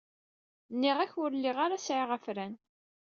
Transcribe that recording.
Nniɣ-ak ur lliɣ ara sɛiɣ afran.